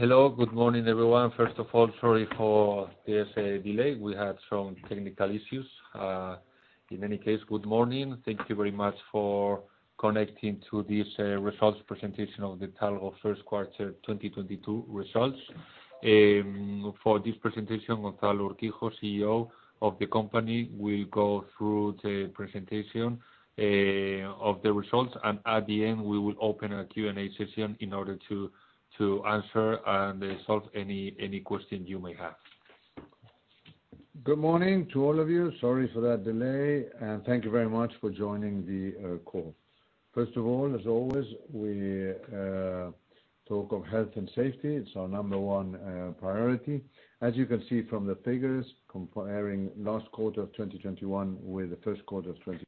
Hello. Good morning, everyone. First of all, sorry for this delay. We had some technical issues. In any case, good morning. Thank you very much for connecting to this results presentation of the Talgo first quarter 2022 results. For this presentation, Gonzalo Urquijo, CEO of the company, will go through the presentation of the results, and at the end, we will open a Q&A session in order to answer and resolve any question you may have. Good morning to all of you. Sorry for that delay, and thank you very much for joining the call. First of all, as always, we talk of health and safety. It's our number one priority. As you can see from the figures comparing last quarter of 2021 with the first quarter of 2022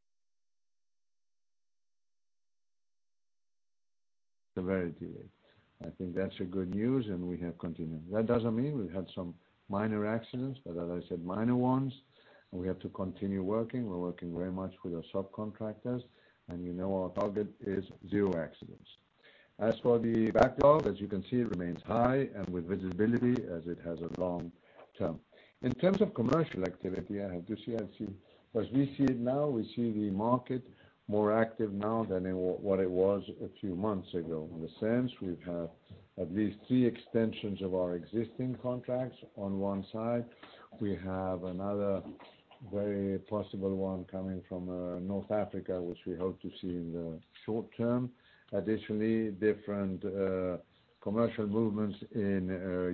severity rate. I think that's good news, and we have continued. That doesn't mean we had some minor accidents, but as I said, minor ones, and we have to continue working. We're working very much with our subcontractors, and you know, our target is zero accidents. As for the backlog, as you can see, it remains high and with visibility as it has a long term. In terms of commercial activity, I have to say as we see it now, we see the market more active now than what it was a few months ago. In a sense, we've had at least three extensions of our existing contracts on one side. We have another very possible one coming from North Africa, which we hope to see in the short term. Additionally, different commercial movements in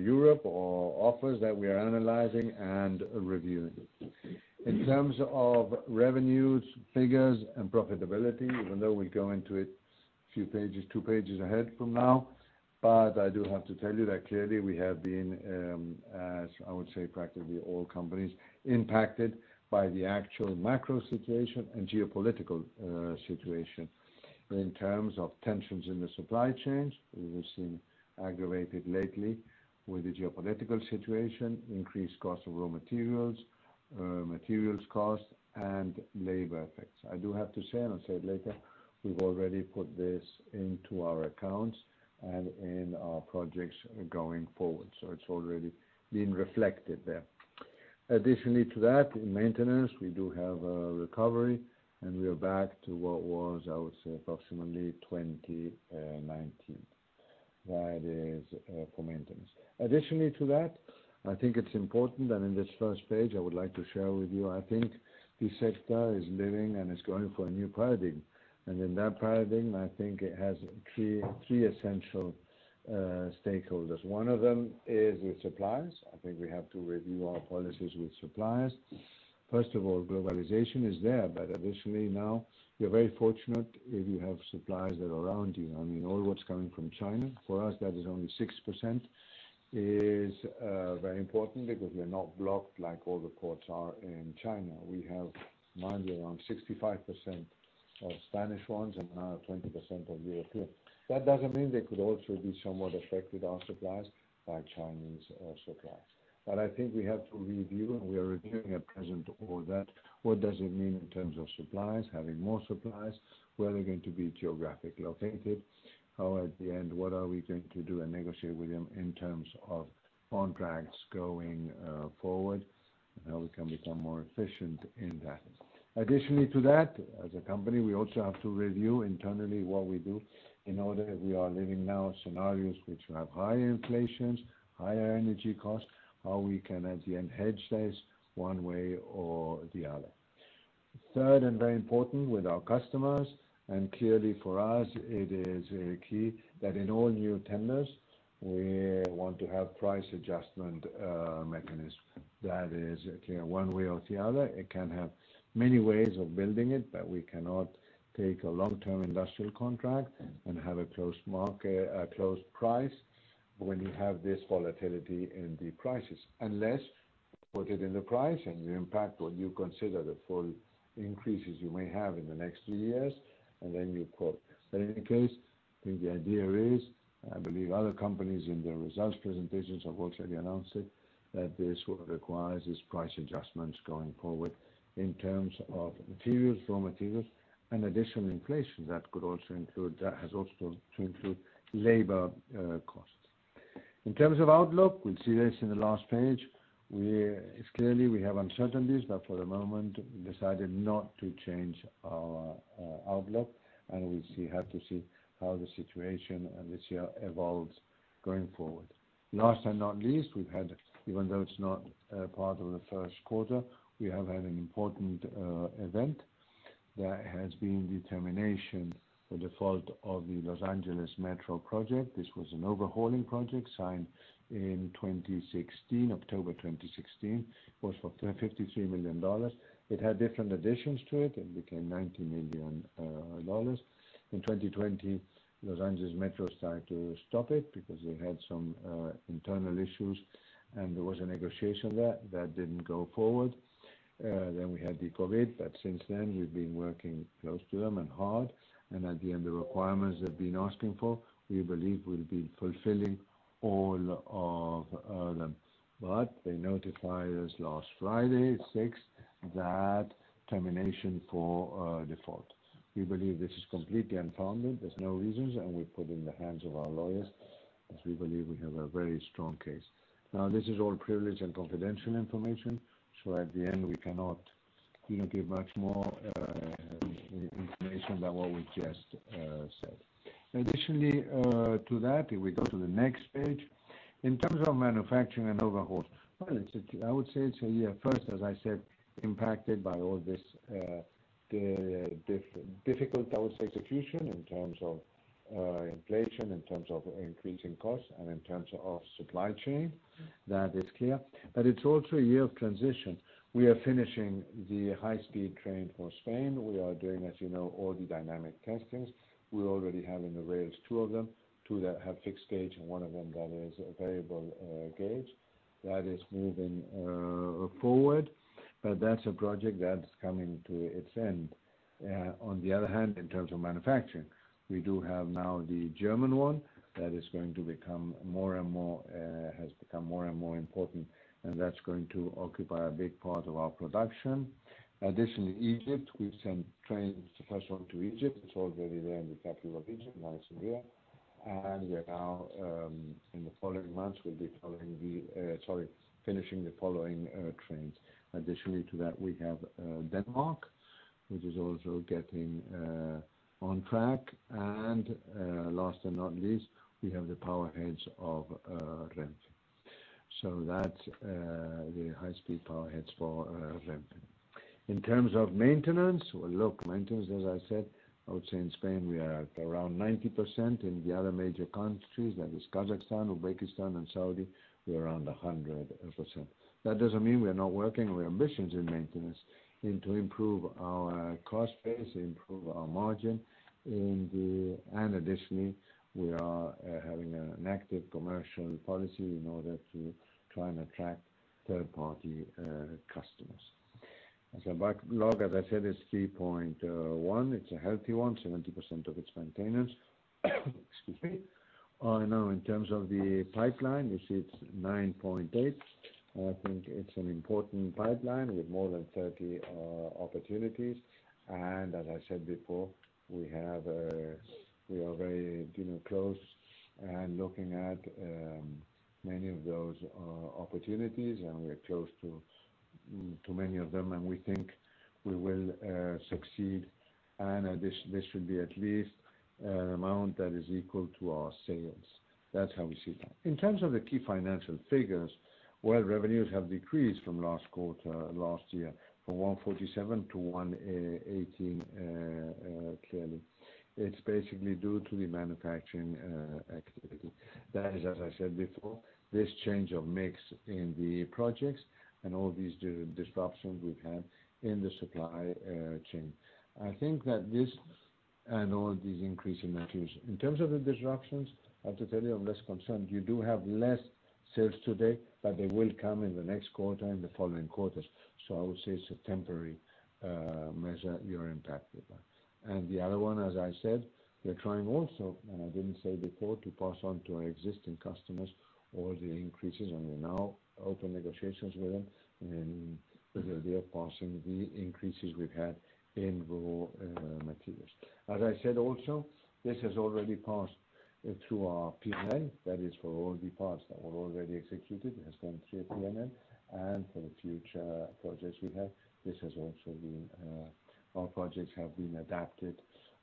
Europe or offers that we are analyzing and reviewing. In terms of revenues, figures, and profitability, even though we go into it few pages, two pages ahead from now, but I do have to tell you that clearly we have been, as I would say, practically all companies, impacted by the actual macro situation and geopolitical situation. In terms of tensions in the supply chains, we have seen aggravated lately with the geopolitical situation, increased cost of raw materials cost, and labor effects. I do have to say, and I'll say it later, we've already put this into our accounts and in our projects going forward. It's already been reflected there. Additionally to that, in maintenance, we do have a recovery, and we are back to what was, I would say, approximately 2019. That is for maintenance. Additionally to that, I think it's important, and in this first page, I would like to share with you, I think this sector is living and is going for a new paradigm. In that paradigm, I think it has three essential stakeholders. One of them is with suppliers. I think we have to review our policies with suppliers. First of all, globalization is there, but additionally, now, you're very fortunate if you have suppliers that are around you. I mean, all what's coming from China, for us, that is only 6%, is very important because we're not blocked like all the ports are in China. We have mainly around 65% of Spanish ones and another 20% of European. That doesn't mean they could also be somewhat affected, our suppliers, by Chinese suppliers. But I think we have to review, and we are reviewing at present all that. What does it mean in terms of suppliers, having more suppliers? Where are they going to be geographically located? How, at the end, what are we going to do and negotiate with them in terms of contracts going forward? How we can become more efficient in that? Additionally to that, as a company, we also have to review internally what we do in order we are living now scenarios which have higher inflations, higher energy costs, how we can at the end hedge this one way or the other. Third, and very important with our customers, and clearly for us, it is key that in all new tenders, we want to have price adjustment mechanism. That is clear one way or the other. It can have many ways of building it, but we cannot take a long-term industrial contract and have a closed market, a closed price when you have this volatility in the prices. Unless you put it in the price and you impact what you consider the full increases you may have in the next two years, and then you quote. In any case, I think the idea is, I believe other companies in their results presentations have also announced it, that this will require price adjustments going forward in terms of materials, raw materials, and additional inflation that could also include, that has also to include labor costs. In terms of outlook, we'll see this in the last page. We clearly have uncertainties, but for the moment we decided not to change our outlook, and we'll see, have to see how the situation and this year evolves going forward. Last and not least, we've had, even though it's not part of the first quarter, we have had an important event that has been the termination for default of the Los Angeles Metro project. This was an overhauling project signed in 2016, October 2016. It was for $53 million. It had different additions to it. It became $90 million. In 2020, Los Angeles Metro started to stop it because they had some internal issues, and there was a negotiation there that didn't go forward. Then we had the COVID, but since then, we've been working close to them and hard. At the end, the requirements they've been asking for, we believe we'll be fulfilling all of them. They notify us last Friday, the sixth. That termination for default. We believe this is completely unfounded. There's no reasons, and we put in the hands of our lawyers as we believe we have a very strong case. Now, this is all privileged and confidential information, so at the end, we cannot, you know, give much more information than what we just said. Additionally, to that, if we go to the next page. In terms of manufacturing and overhauls. I would say it's a year first, as I said, impacted by all this, difficult, I would say, execution in terms of, inflation, in terms of increasing costs, and in terms of supply chain. That is clear. It's also a year of transition. We are finishing the high-speed train for Spain. We are doing, as you know, all the dynamic testings. We already have in the rails, two of them, two that have fixed gauge and one of them that is a variable gauge that is moving forward. That's a project that's coming to its end. On the other hand, in terms of manufacturing, we do have now the German one that has become more and more important, and that's going to occupy a big part of our production. Additionally, Egypt, we've sent trains, the first one to Egypt. It's already there in the capital of Egypt, New Administrative Capital. And we are now in the following months finishing the following trains. In addition to that, we have Denmark, which is also getting on track. Last and not least, we have the powerheads of Renfe. That's the high-speed powerheads for Renfe. In terms of maintenance. Well, maintenance, as I said, I would say in Spain we are at around 90%. In the other major countries, that is Kazakhstan, Uzbekistan and Saudi, we're around 100%. That doesn't mean we are not working. We have ambitions in maintenance and to improve our cost base, improve our margin. Additionally, we are having an active commercial policy in order to try and attract third-party customers. The backlog, as I said, it's 3.1. It's a healthy one, 70% of it is maintenance. Excuse me. Now in terms of the pipeline, you see it's 9.8. I think it's an important pipeline. We have more than 30 opportunities. As I said before, we are very, you know, close and looking at many of those opportunities and we are close to many of them and we think we will succeed. This should be at least an amount that is equal to our sales. That's how we see that. In terms of the key financial figures, well, revenues have decreased from last quarter, last year, from 147 to 118, clearly. It's basically due to the manufacturing activity. That is, as I said before, this change of mix in the projects and all these disruptions we've had in the supply chain. I think that this and all these increase in materials. In terms of the disruptions, I have to tell you, I'm less concerned. You do have less sales today, but they will come in the next quarter and the following quarters. I would say it's a temporary measure we are impacted by. The other one, as I said, we are trying also, and I didn't say before, to pass on to our existing customers all the increases, and we're now in open negotiations with them with the idea of passing the increases we've had in raw materials. As I said also, this has already passed through our P&L. That is for all the parts that were already executed. It has gone through P&L. For the future projects we have, this has also been our projects have been adapted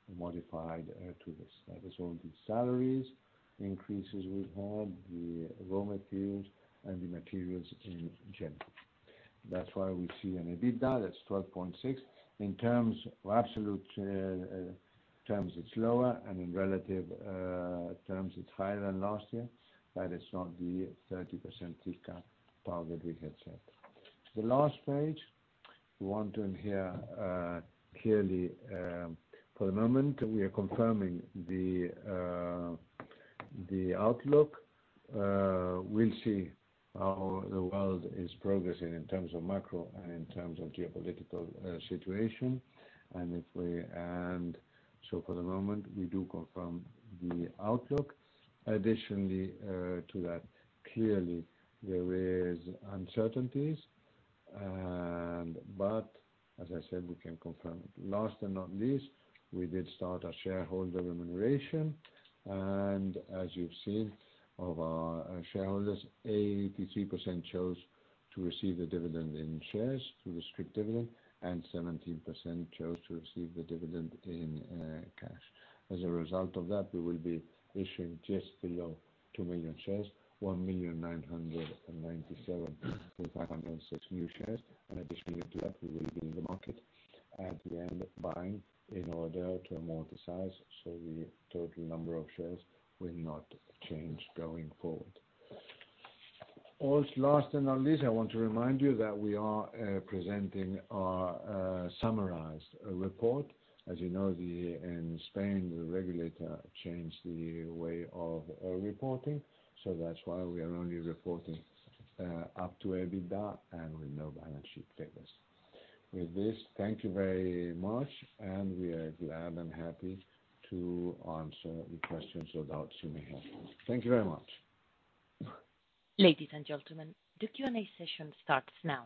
and modified to this. That is all the salary increases we've had, the raw materials and the materials in general. That's why we see an EBITDA that's 12.6%. In terms of absolute terms, it's lower, and in relative terms, it's higher than last year, but it's not the 30% Talgo target we had set. The last page, we want to hear clearly for the moment, we are confirming the outlook. We'll see how the world is progressing in terms of macro and in terms of geopolitical situation. So for the moment, we do confirm the outlook. Additionally to that, clearly, there are uncertainties. But as I said, we can confirm. Last and not least, we did start our shareholder remuneration. As you've seen, of our shareholders, 83% chose to receive the dividend in shares through the scrip dividend, and 17% chose to receive the dividend in cash. As a result of that, we will be issuing just below 2 million shares, 1,997.506 new shares. Additionally to that, we will be in the market at the end, buying in order to amortize, so the total number of shares will not change going forward. Also, last and not least, I want to remind you that we are presenting our summarized report. As you know, in Spain, the regulator changed the way of reporting, so that's why we are only reporting up to EBITDA and with no balance sheet figures. With this, thank you very much and we are glad and happy to answer the questions about Sumitomo. Thank you very much. Ladies and gentlemen, the Q&A session starts now.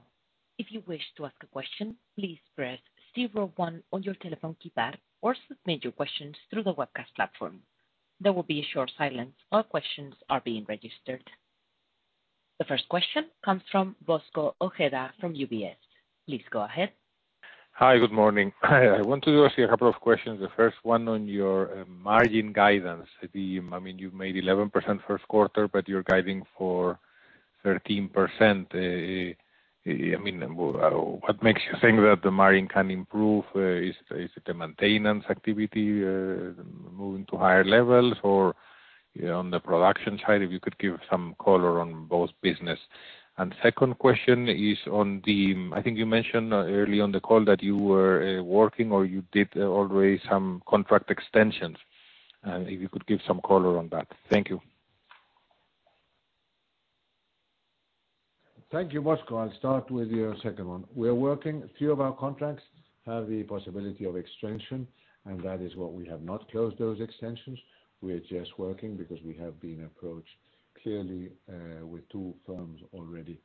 If you wish to ask a question, please press zero one on your telephone keypad or submit your questions through the webcast platform. There will be a short silence while questions are being registered. The first question comes from Bosco Ojeda from UBS. Please go ahead. Hi, good morning. I want to ask you a couple of questions. The first one on your margin guidance. I mean, you made 11% first quarter, but you're guiding for 13%. I mean, what makes you think that the margin can improve? Is it the maintenance activity moving to higher levels or on the production side? If you could give some color on both business. Second question is on the, I think you mentioned early on the call that you were working or you did already some contract extensions. If you could give some color on that. Thank you. Thank you, Bosco. I'll start with your second one. We are working. A few of our contracts have the possibility of extension, and that is what we have not closed those extensions. We are just working because we have been approached clearly with two firms already.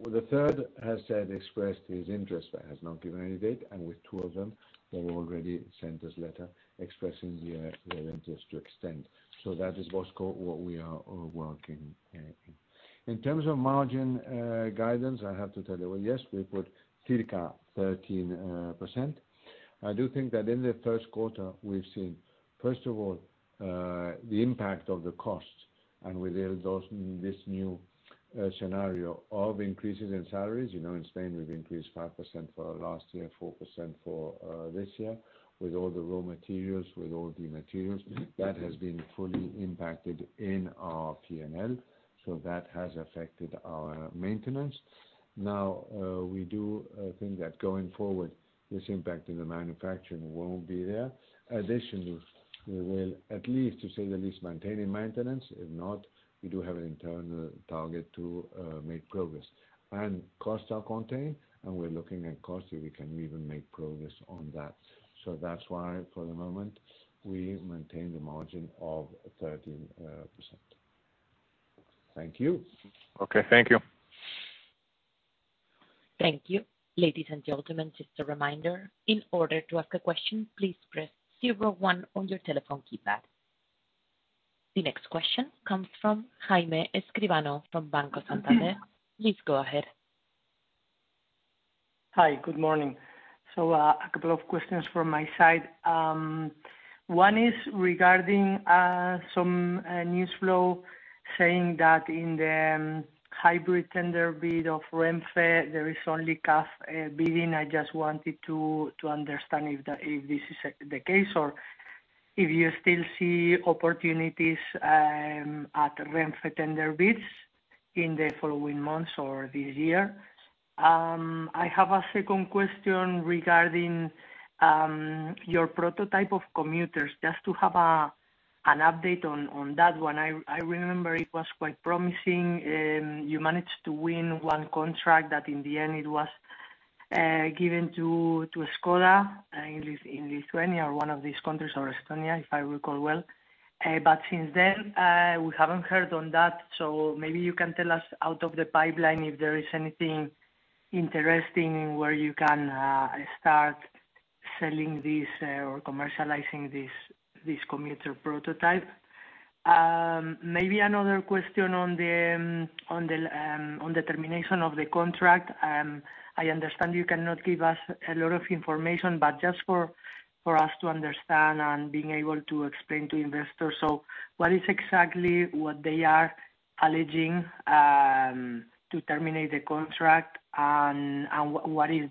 The third has expressed his interest but has not given any date, and with two of them, they've already sent this letter expressing their interest to extend. So that is, Bosco, what we are working in. In terms of margin guidance, I have to tell you, well, yes, we put circa 13%. I do think that in the first quarter, we've seen first of all the impact of the cost and with the exhaustion this new scenario of increases in salaries. You know, in Spain, we've increased 5% for last year, 4% for this year. With all the raw materials, with all the materials, that has been fully impacted in our P&L. That has affected our maintenance. Now, we do think that going forward, this impact in the manufacturing won't be there. Additionally, we will at least, to say the least, maintain in maintenance. If not, we do have an internal target to make progress. Costs are contained, and we're looking at costs, if we can even make progress on that. That's why, for the moment, we maintain the margin of 13%. Thank you. Okay, thank you. Thank you. Ladies and gentlemen, just a reminder, in order to ask a question, please press zero one on your telephone keypad. The next question comes from Jaime Escribano from Banco Santander. Please go ahead. Hi, good morning. A couple of questions from my side. One is regarding some news flow saying that in the hybrid tender bid of Renfe, there is only CAF bidding. I just wanted to understand if that, if this is the case or if you still see opportunities at Renfe tender bids in the following months or this year. I have a second question regarding your prototype of commuters. Just to have an update on that one. I remember it was quite promising. You managed to win one contract that in the end it was given to Škoda in Lithuania or one of these countries, or Estonia, if I recall well. Since then we haven't heard on that. Maybe you can tell us out of the pipeline if there is anything interesting where you can start selling this or commercializing this commuter prototype. Maybe another question on the termination of the contract. I understand you cannot give us a lot of information, but just for us to understand and being able to explain to investors. What exactly are they alleging to terminate the contract? What is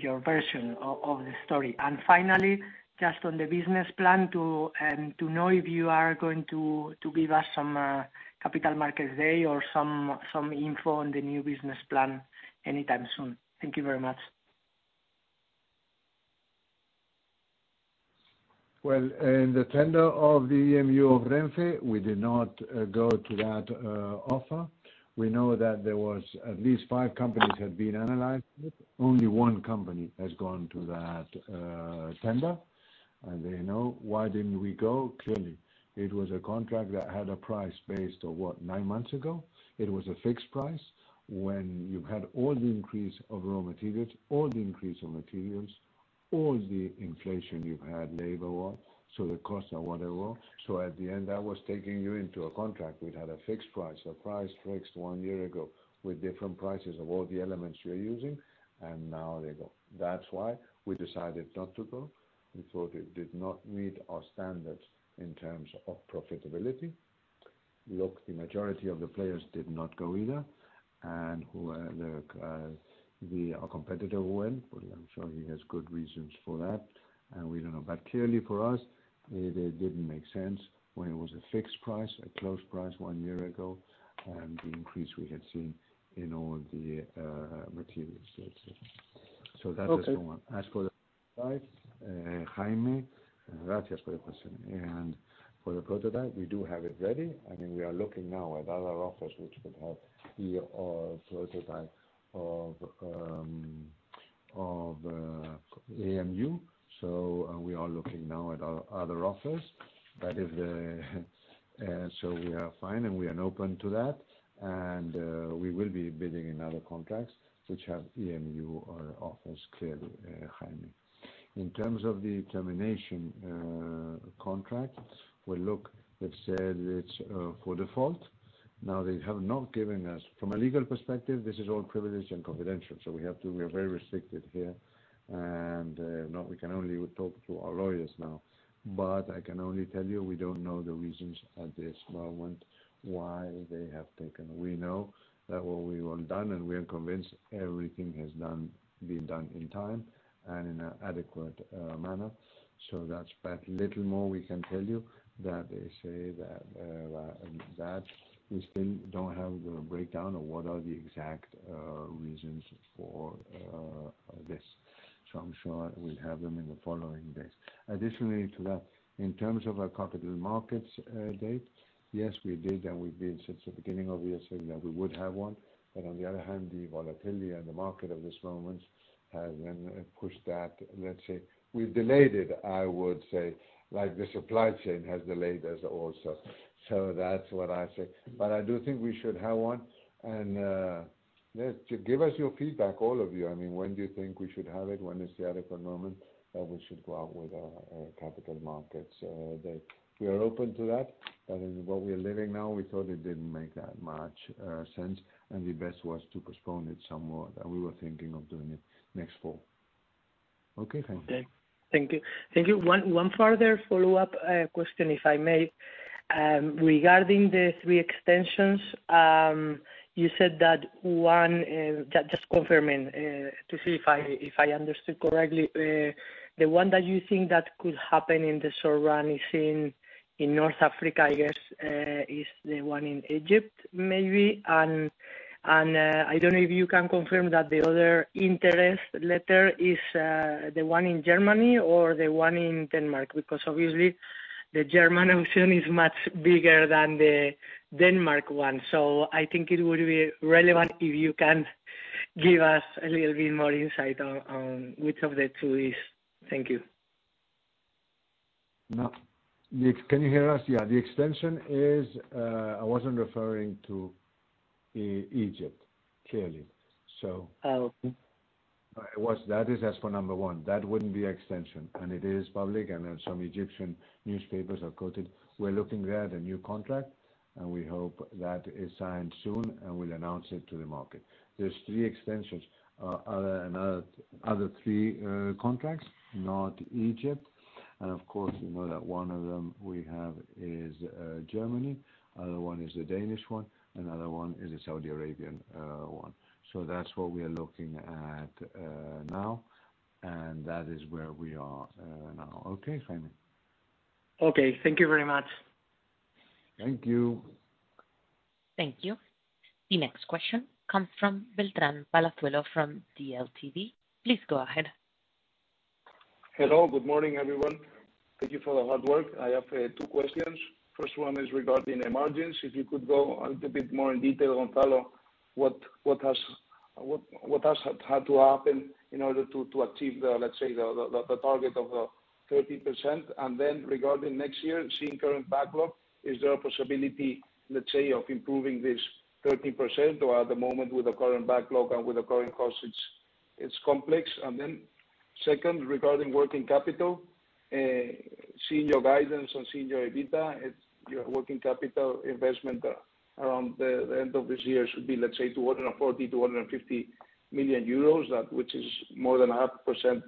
your version of the story? Finally, just on the business plan to know if you are going to give us some Capital Markets Day or some info on the new business plan anytime soon. Thank you very much. Well, in the tender of the EMU of Renfe, we did not go to that offer. We know that there was at least five companies had been analyzed. Only one company has gone to that tender. You know, why didn't we go? Clearly, it was a contract that had a price based on what? Nine months ago. It was a fixed price. When you had all the increase of raw materials, all the increase of materials, all the inflation you've had, labor what, so the costs are what they were. At the end, that was taking you into a contract. We'd had a fixed price, a price fixed one year ago with different prices of all the elements you're using, and now they go. That's why we decided not to go. We thought it did not meet our standards in terms of profitability. Look, the majority of the players did not go either. A competitor went, but I'm sure he has good reasons for that. We don't know. Clearly for us, it didn't make sense when it was a fixed price, a close price one year ago, and the increase we had seen in all the materials. That is the one. Okay. As for the price, Jaime, gracias for the question. For the prototype, we do have it ready. I mean, we are looking now at other offers which could help the prototype of EMU. We are looking now at other offers. That is, so we are fine, and we are open to that. We will be bidding in other contracts which have EMU or offers clearly, Jaime. In terms of the termination contract, we'll look. They've said it's for default. Now they have not given us. From a legal perspective, this is all privileged and confidential, so we have to, we are very restricted here. No, we can only talk to our lawyers now. I can only tell you we don't know the reasons at this moment why they have taken. We know that what we've done, and we are convinced everything has been done in time and in an adequate manner. That's but little more we can tell you that they say that we still don't have the breakdown of what the exact reasons for this are. I'm sure we'll have them in the following days. Additionally to that, in terms of our Capital Markets Day. Yes, we did, and we've been since the beginning of the year saying that we would have one. On the other hand, the volatility in the market at this moment has pushed that. Let's say, we've delayed it, I would say, like the supply chain has delayed us also. That's what I say. I do think we should have one. Just give us your feedback, all of you. I mean, when do you think we should have it? When is the adequate moment that we should go out with our capital markets day? We are open to that. That is what we are living now. We thought it didn't make that much sense, and the best was to postpone it some more. We were thinking of doing it next fall. Okay. Thank you. Okay. Thank you. Thank you. One further follow-up question, if I may. Regarding the three extensions, you said that one, just confirming, to see if I understood correctly. The one that you think that could happen in the short run is in North Africa, I guess, is the one in Egypt maybe. I don't know if you can confirm that the other interest letter is the one in Germany or the one in Denmark, because obviously the German auction is much bigger than the Denmark one. I think it would be relevant if you can give us a little bit more insight on which of the two is. Thank you. No. Can you hear us? Yeah. The extension is, I wasn't referring to Egypt, clearly. Oh, okay. That is as per number one. That wouldn't be extension. It is public, and then some Egyptian newspapers have quoted. We're looking there at a new contract, and we hope that is signed soon, and we'll announce it to the market. There's three extensions, another three contracts, not Egypt. Of course, you know that one of them we have is Germany. Other one is the Danish one. Another one is the Saudi Arabian one. That's what we are looking at now, and that is where we are now. Okay, Jaime. Okay. Thank you very much. Thank you. Thank you. The next question comes from Beltrán Palazuelo from DLTV. Please go ahead. Hello. Good morning, everyone. Thank you for the hard work. I have two questions. First one is regarding the margins. If you could go a little bit more in detail, Gonzalo, what has had to happen in order to achieve the, let's say, the target of 30%? Then regarding next year, seeing current backlog, is there a possibility, let's say, of improving this 30%? Or at the moment with the current backlog and with the current costs, it's complex. Then second, regarding working capital, seeing your guidance on senior EBITDA, your working capital investment around the end of this year should be, let's say, 240 million-250 million euros, which is more than 0.5%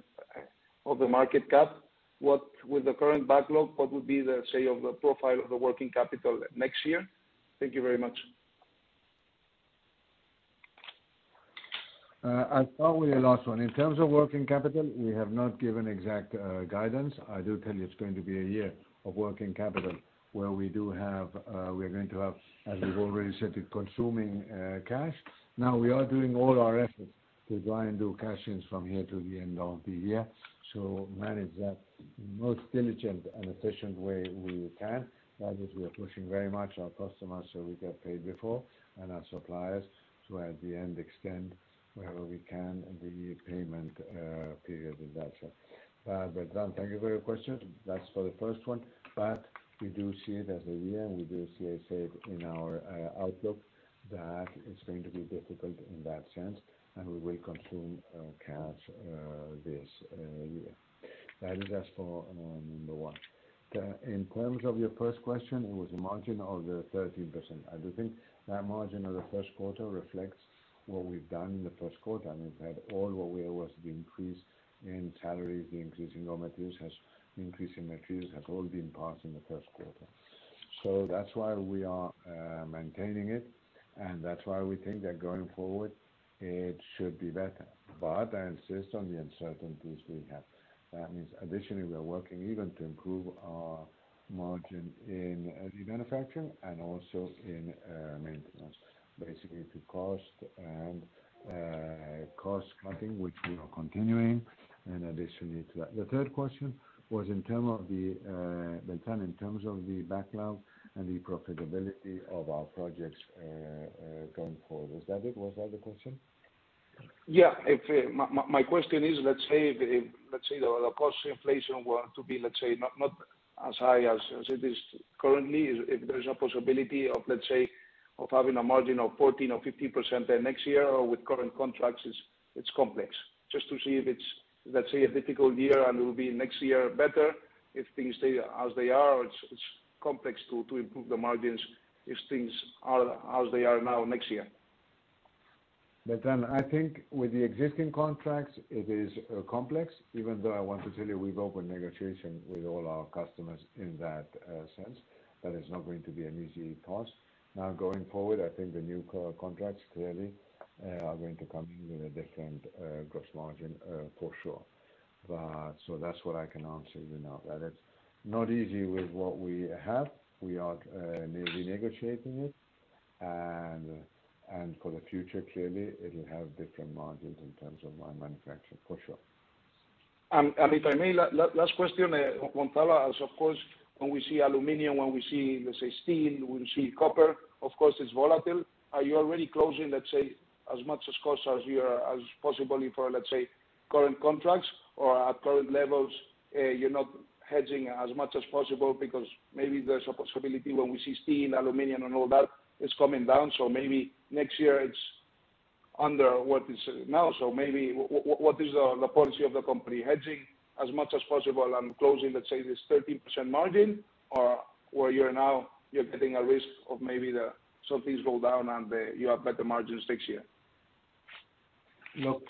of the market cap. What with the current backlog, what would be the shape of the profile of the working capital next year? Thank you very much. I'll start with the last one. In terms of working capital, we have not given exact guidance. I do tell you it's going to be a year of working capital where we're going to have, as we've already said, it consuming cash. Now, we are doing all our efforts to try and do cash-ins from here till the end of the year to manage that most diligent and efficient way we can. That is, we are pushing very much our customers, so we get paid before, and our suppliers to, at the end, extend wherever we can the payment period with that. Beltrán, thank you for your question. That's for the first one. We do see it as a year, and we do see. I said in our outlook that it's going to be difficult in that sense, and we will consume cash this year. That is as for number one. In terms of your first question, it was a margin of the 13%. I do think that margin of the first quarter reflects what we've done in the first quarter, and we've had all what we owe as the increase in salaries, the increase in materials has all been passed in the first quarter. That's why we are maintaining it, and that's why we think that going forward it should be better. I insist on the uncertainties we have. That means additionally, we are working even to improve our margin in heavy manufacturing and also in maintenance, basically to cost and cost cutting, which we are continuing in addition to that. The third question was in terms of the Beltrán Palazuelo, in terms of the backlog and the profitability of our projects, going forward. Is that it? Was that the question? Yeah. If my question is, let's say the cost inflation were to be, let's say, not as high as it is currently. Is there a possibility of, let's say, having a margin of 14 or 15% there next year or with current contracts, it's complex. Just to see if it's, let's say, a difficult year and it will be next year better if things stay as they are or it's complex to improve the margins if things are as they are now next year. I think with the existing contracts, it is complex. Even though I want to tell you we've opened negotiations with all our customers in that sense, that is not going to be an easy task. Now, going forward, I think the new contracts clearly are going to come in with a different gross margin, for sure. That's what I can answer you now. That it's not easy with what we have. We are renegotiating it. For the future, clearly it will have different margins in terms of our manufacturing, for sure. If I may, last question, Gonzalo Urquijo. Of course, when we see aluminum, when we see, let's say, steel, when we see copper, of course it's volatile. Are you already closing, let's say, as much of the costs as possible for, let's say, current contracts? Or at current levels, you're not hedging as much as possible because maybe there's a possibility when we see steel, aluminum and all that is coming down. Maybe next year it's under what is now. What is the policy of the company? Hedging as much as possible and closing, let's say, this 13% margin or where you are now, you're taking a risk of maybe some things go down and you have better margins next year. Look,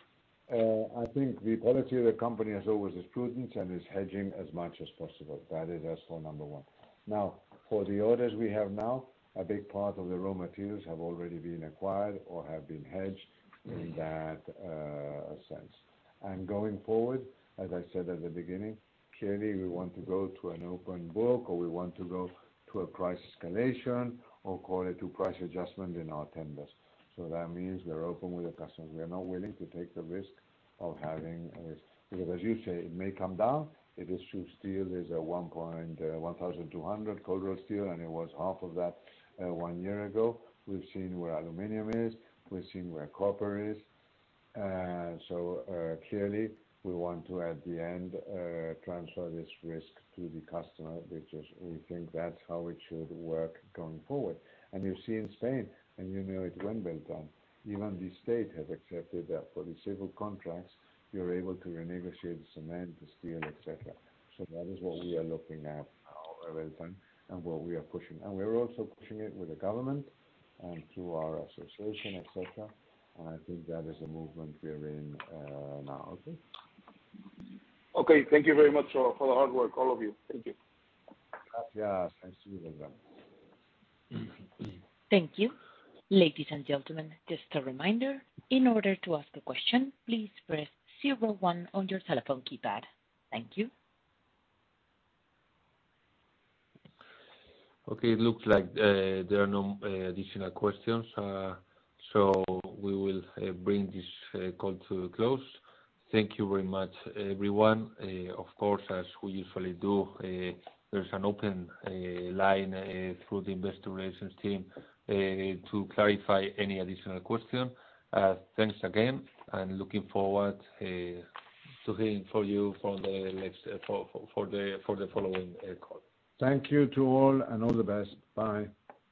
I think the policy of the company as always is prudent and is hedging as much as possible. That is as for number one. Now, for the orders we have now, a big part of the raw materials have already been acquired or have been hedged in that sense. Going forward, as I said at the beginning, clearly we want to go to an open book or we want to go to a price escalation or call it to price adjustment in our tenders. That means we are open with the customers. We are not willing to take the risk of having a. Because as you say, it may come down. If it's true, steel is at 1,200, cold rolled steel, and it was half of that one year ago. We've seen where aluminum is, we've seen where copper is. Clearly we want to, at the end, transfer this risk to the customer, which is we think that's how it should work going forward. You see in Spain, and you know it well, Beltrán Palazuelo, even the state has accepted that for the civil contracts you're able to renegotiate the cement, the steel, et cetera. That is what we are looking at now, Beltrán Palazuelo, and what we are pushing. We're also pushing it with the government and through our association, et cetera. I think that is a movement we are in, now. Okay? Okay. Thank you very much for the hard work, all of you. Thank you. Gracias. Thanks to you, Beltrán. Thank you. Ladies and gentlemen, just a reminder, in order to ask a question, please press zero one on your telephone keypad. Thank you. Okay. It looks like there are no additional questions, so we will bring this call to a close. Thank you very much, everyone. Of course, as we usually do, there's an open line through the investor relations team to clarify any additional question. Thanks again and looking forward to hearing from you for the following call. Thank you to all and all the best. Bye.